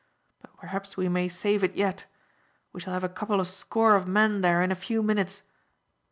But perhaps we may save it yet. We shall have a couple of score of men there in a few minutes."